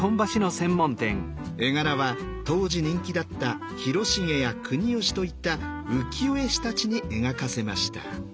絵柄は当時人気だった広重や国芳といった浮世絵師たちに描かせました。